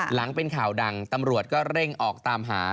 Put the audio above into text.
หลังเป็นข่าวดังตำรวจก็เร่งออกตามหา